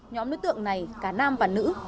nhóm đối tượng này cả nam và nữ